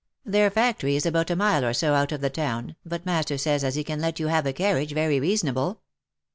Their factory is about a mile or so out of the town, but master says as he can let you have a carriage very reasonable."